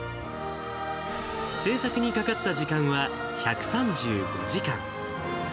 制作にかかった時間は１３５時間。